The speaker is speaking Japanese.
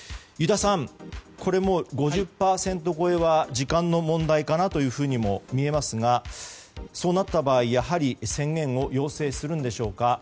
油田さん、これも５０％超えは時間の問題にも見えますがそうなった場合、やはり宣言を要請するのでしょうか。